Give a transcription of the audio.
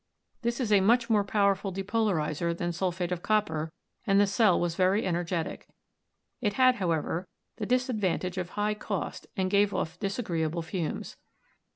This is a much more powerful depolarizer than sul phate of copper and the cell was very energetic. It had, however, the disadvantage of high cost and gave off dis agreeable fumes.